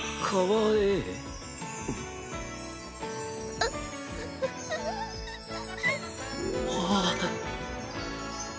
ああ！